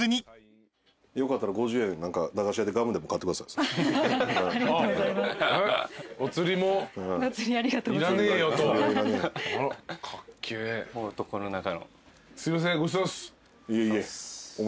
いえいえ。